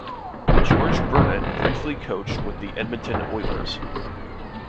George Burnett briefly coached with the Edmonton Oilers.